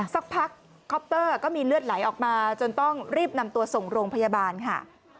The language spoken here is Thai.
สักพักคอปเตอร์ก็มีเลือดไหลออกมาจนต้องรีบนำตัวส่งโรงพยาบาลค่ะ